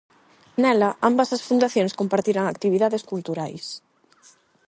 Nela, ambas as fundacións compartirán actividades culturais.